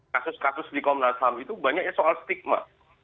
kasus kasus di komnas ham itu banyaknya soal stigma